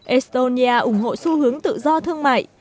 estonia ủng hộ xu hướng tự do thương mại